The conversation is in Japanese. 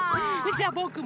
じゃあぼくも。